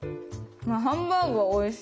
ハンバーグがおいしい。